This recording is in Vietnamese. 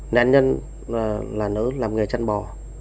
nạn nhân là nữ làm nghề chăn bò